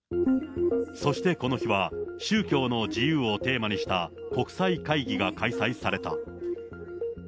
そしてこの日は、宗教の自由をテーマにした国際会議が開催された。